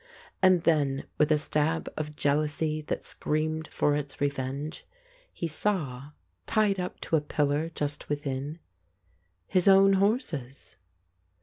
And then, with a stab of jealousy that screamed for its revenge, he saw, tied up to a pillar just within, his own horses.